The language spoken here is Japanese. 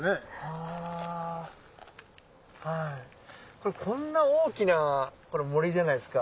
これこんな大きな森じゃないですか。